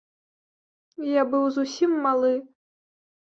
Я быў зусім малы.